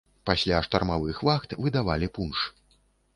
Пасля штармавых вахт выдавалі пунш.